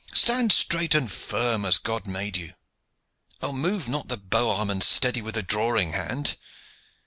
Stand straight and firm, as God made you. Move not the bow arm, and steady with the drawing hand!"